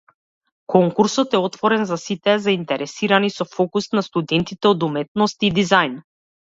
Конкурсот е отворен за сите заинтересирани, со фокус на студентите од уметности и дизајн.